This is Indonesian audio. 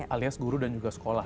alias guru dan juga sekolah